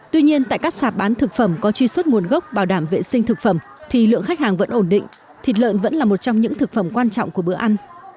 tuy nhiên tại các sạp bán thực phẩm có truy xuất nguồn gốc bảo đảm vệ sinh thực phẩm thì lượng khách hàng vẫn ổn định thịt lợn vẫn là một trong những thực phẩm quan trọng của bữa ăn